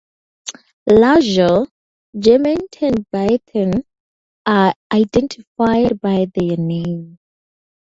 Larger "Gemeindebauten" are identified by their name.